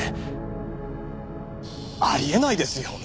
あり得ないですよね。